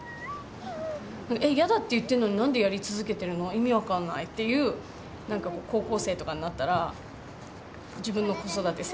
えやだって言ってんのに何でやり続けてるの意味分かんないっていうなんか高校生とかになったら自分の子育て成功したなって思います。